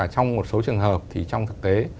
trong một số trường hợp thì trong thực tế